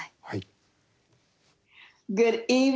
はい。